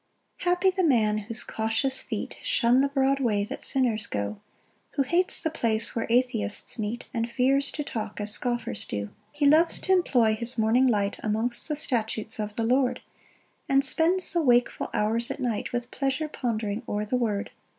1 Happy the man whose cautious feet Shun the broad way that sinners go, Who hates the place where atheists meet, And fears to talk as scoffers do. 2 He loves t' employ his morning light Amongst the statutes of the Lord: And spends the wakeful hours at night, With pleasure pondering o'er the word.